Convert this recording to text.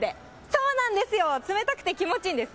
そうなんですよ、冷たくて気持ちいいんです。